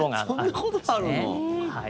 そんなところがあるの。